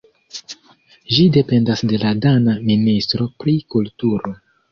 Ĝi dependas de la dana ministro pri kulturo.